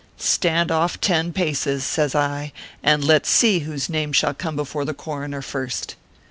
" Stand off ten paces," says I, " and let s see whose name shall come before the coroner first."